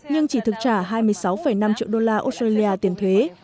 nhưng chỉ thực trả hai mươi sáu năm triệu đô la australia tiền thuế